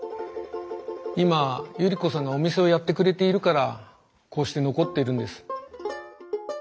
今百合子さんがお店をやってくれているからこうして残ってるんです。